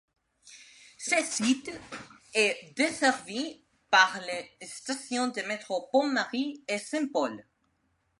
Ce site est desservi par les stations de métro Pont Marie et Saint-Paul.